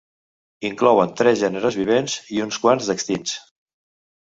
Inclouen tres gèneres vivents i uns quants d'extints.